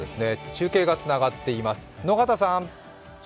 中継がつながっています、野方さん。